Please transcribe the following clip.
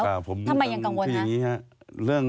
ทำไมยังกังวลฮะ